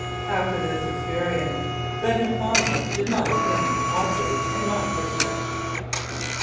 After this experience Red McConnell did not again operate in my district.